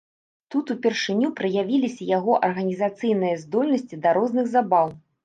Тут упершыню праявіліся яго арганізацыйныя здольнасці да розных забаў.